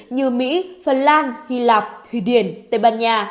như mỹ phần lan hy lạp thụy điển tây ban nha